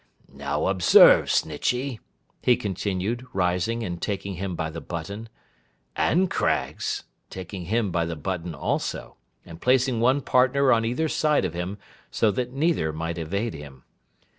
'Now, observe, Snitchey,' he continued, rising and taking him by the button, 'and Craggs,' taking him by the button also, and placing one partner on either side of him, so that neither might evade him.